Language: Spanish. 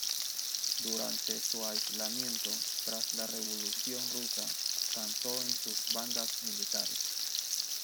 Durante su alistamiento, tras la Revolución rusa, cantó en sus bandas militares.